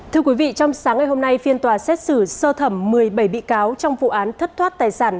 thưa quý vị trong sáng ngày hôm nay phiên tòa xét xử sơ thẩm một mươi bảy bị cáo trong vụ án thất thoát tài sản